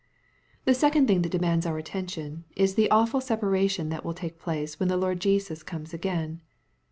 The second thing that demands our attention, is the awful separcUion that wUl takeplace when the Lord Jesus comes again.